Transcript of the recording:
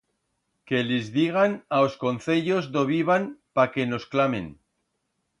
Que lis digan a os concellos do vivan pa que nos clamen.